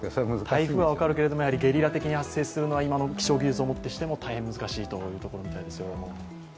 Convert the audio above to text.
台風は分かるけれどもゲリラ的に発生するのは今の気象技術をもってしても大変難しいということみたいです。